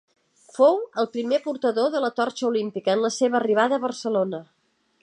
Fou el primer portador de la torxa olímpica en la seva arribada a Barcelona.